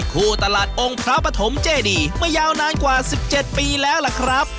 ตลาดองค์พระปฐมเจดีมายาวนานกว่า๑๗ปีแล้วล่ะครับ